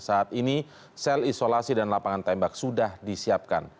saat ini sel isolasi dan lapangan tembak sudah disiapkan